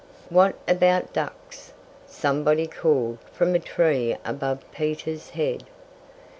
"What about ducks?" somebody called from a tree above Peter's head.